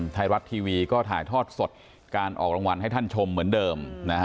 ไทยรัฐทีวีก็ถ่ายทอดสดการออกรางวัลให้ท่านชมเหมือนเดิม